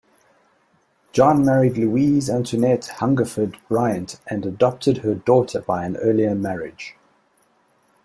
John married Louise Antoinette Hungerford Bryant and adopted her daughter by an earlier marriage.